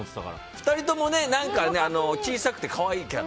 ２人とも小さくて可愛いキャラ。